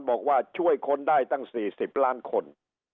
บอกว่าช่วยคนได้ตั้ง๔๐ล้านคน